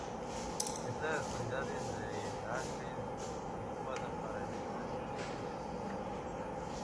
Estas cualidades la hacen adecuada para el ensayo de pureza de los metales.